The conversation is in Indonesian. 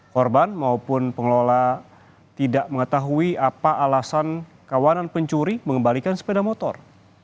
korban maupun pengelola tidak mengetahui apa alasan kawanan pencuri mengembalikan sepeda motor